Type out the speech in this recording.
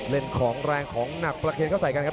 เล่นของแรงของหนักประเคนเข้าใส่กันครับ